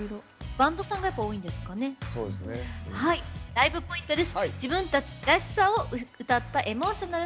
ライブポイントです。